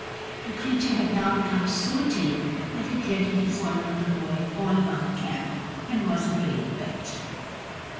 The creature had now become so tame that it readily followed the boy all about camp, and was a great pet.